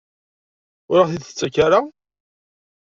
Ur aɣ-t-id-tettak ara?